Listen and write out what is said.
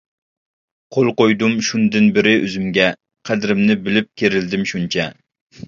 قول قويدۇم شۇندىن بېرى ئۆزۈمگە، قەدرىمنى بىلىپ كېرىلدىم شۇنچە.